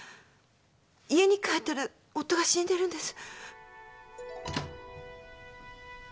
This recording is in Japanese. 家に帰ったら夫が死んでるんです。